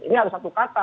ini harus satu kata